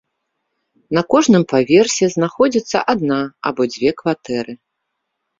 На кожным паверсе знаходзіцца адна або дзве кватэры.